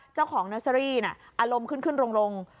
เจ้าของเนอร์เซอรี่น่ะอารมณ์ขึ้นลง